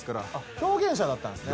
表現者だったんですね。